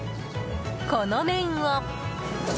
この麺を。